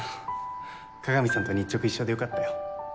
加賀美さんと日直一緒でよかったよ